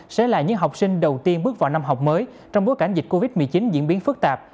sẽ là những học sinh đầu tiên bước vào năm học mới trong bối cảnh dịch covid một mươi chín diễn biến phức tạp